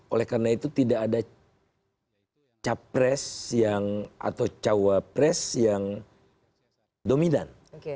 oleh karena itu tidak ada capres atau cawapres yang dominan